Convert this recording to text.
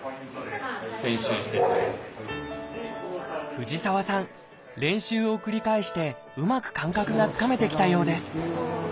藤沢さん練習を繰り返してうまく感覚がつかめてきたようです